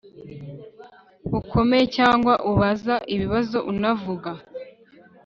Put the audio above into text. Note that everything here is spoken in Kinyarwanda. Bukomeye cyangwa ubaza ibibazo unavuga